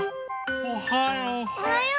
おはよう。